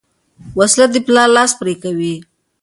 وسله د پلار لاس پرې کوي